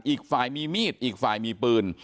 อีกฝ่ายมีมีดอีกฝ่ายมีปืน